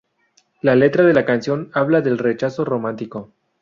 La letra de la canción habla del rechazo romántico.